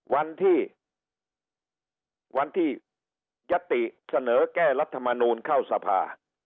วันที่วันที่ยติเสนอแก้รัฐมนูลเข้าสภา